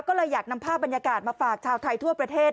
ก็เลยอยากนำภาพบรรยากาศมาฝากชาวไทยทั่วประเทศ